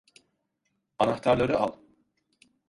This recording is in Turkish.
Anahtarları al!